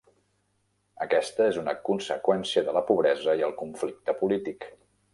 Aquesta és una conseqüència de la pobresa i el conflicte polític.